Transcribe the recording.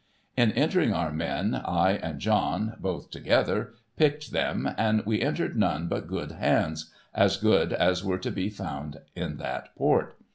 In entering our men, I and John (both together) picked them, and we entered none but good hands — as good as were to be found in that port.